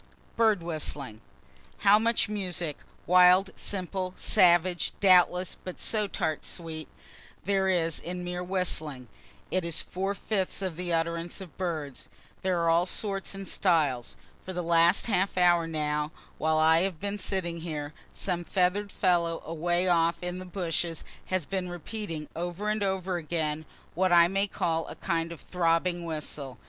BIRD WHISTLING How much music (wild, simple, savage, doubtless, but so tart sweet,) there is in mere whistling. It is four fifths of the utterance of birds. There are all sorts and styles. For the last half hour, now, while I have been sitting here, some feather'd fellow away off in the bushes has been repeating over and over again what I may call a kind of throbbing whistle.